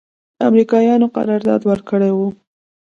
امریکایانو قرارداد ورکړی و.